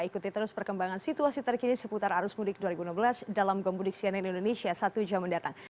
ikuti terus perkembangan situasi terkini seputar arus mudik dua ribu enam belas dalam gombudik cnn indonesia satu jam mendatang